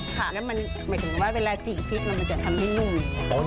แล้วมันหมายถึงว่าเวลาจี่พริกมันจะทำให้นุ่ม